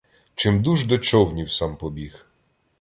Чимдуж до човнів сам побіг.